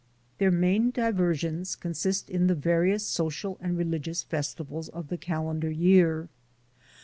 Their main diversions consist in the various social and religious festivals of the calendar year.